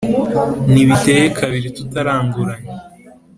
ntibiteye kabiri tutaranduranya